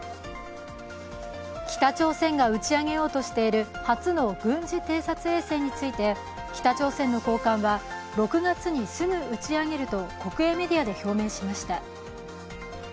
北朝鮮が打ち上げようとしている初の軍事偵察衛星について北朝鮮の高官は、６月にすぐ打ち上げると国営メディアで表明しました。